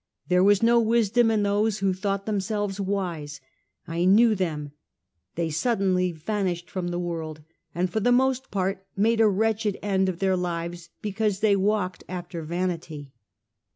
There was no wisdom in those who thought themselves wise. I knew them : they suddenly vanished from the world, and for the most part made a wretched end of their lives, because they walked after vanity."